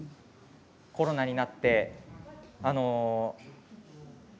コロナになって、あの。